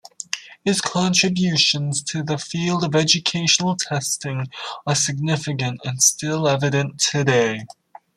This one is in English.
His contributions to the field of educational testing are significant and still evident today.